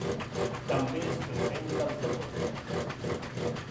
També és present al Japó.